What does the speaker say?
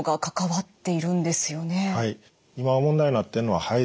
はい。